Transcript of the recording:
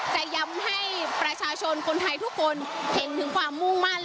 แต่ย้ำให้ประชาชนคนไทยทุกคนเห็นถึงความมุ่งมั่น